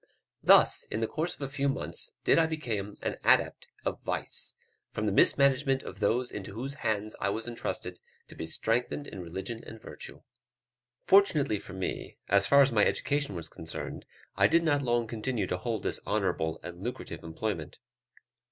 Thus, in the course of a few months, did I become an adept of vice, from the mismanagement of those into whose hands I was intrusted to be strengthened in religion and virtue. Fortunately for me, as far as my education was concerned, I did not long continue to hold this honourable and lucrative employment.